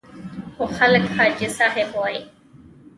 خو خلک حاجي صاحب وایي.